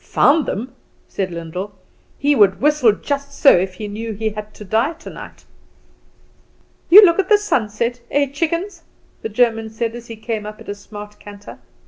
"Found them!" said Lyndall. "He would whistle just so if he knew he had to die tonight." "You look at the sunset, eh, chickens?" the German said, as he came up at a smart canter.